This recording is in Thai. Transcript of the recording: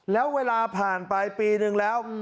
แล้วเวลาผ่านไปปีนึงแล้ว